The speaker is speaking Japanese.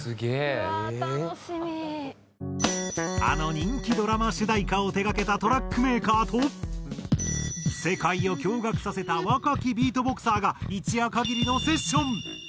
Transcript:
あの人気ドラマ主題歌を手掛けたトラックメーカーと世界を驚愕させた若きビートボクサーが一夜限りのセッション。